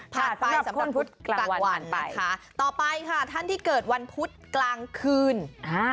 ไปสำหรับพุธกลางวันนะคะต่อไปค่ะท่านที่เกิดวันพุธกลางคืนอ่า